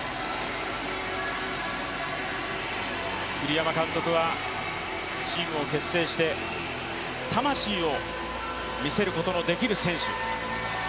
栗山監督はチームを結成して魂を見せることのできる選手。